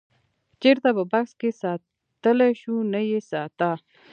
چېرته په بکس کې ساتلی شوو نه یې ساته.